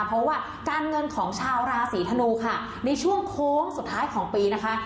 เพราะว่าการเงินของชาวราศีธนูค่ะในช่วงโค้งสุดท้ายของปีนะคะ